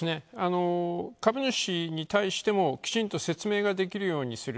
株主に対してもきちんと説明ができるようにする。